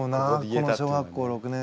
この小学校６年生。